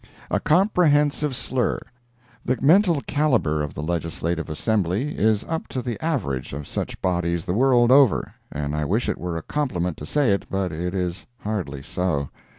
A COMPREHENSIVE SLUR The mental caliber of the Legislative Assembly is up to the average of such bodies the world over—and I wish it were a compliment to say it, but it is hardly so.